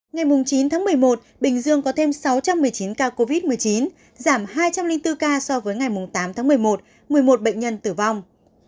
ngày chín tháng một mươi một bình dương có thêm sáu trăm một mươi chín ca covid một mươi chín giảm hai trăm linh bốn ca so với ngày tám tháng một mươi một một mươi một bệnh nhân tử vong